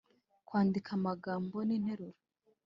-kwandika amagambo n’interuro